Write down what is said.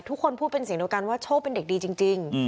ทุกคนพูดเป็นเสียงเดียวกันว่าโชคเป็นเด็กดีจริง